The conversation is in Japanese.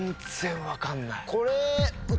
これ。